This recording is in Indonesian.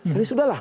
ya sudah lah